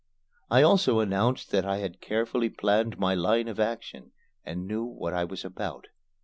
I also announced that I had carefully planned my line of action and knew what I was about.